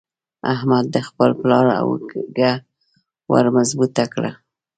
احمد د خپل پلار اوږه ور مضبوطه کړه.